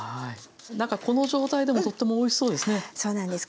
何かこの状態でもとってもおいしそうですね。